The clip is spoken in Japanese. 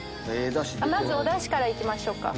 まずおダシからいきましょうか。